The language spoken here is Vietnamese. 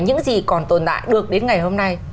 những gì còn tồn tại được đến ngày hôm nay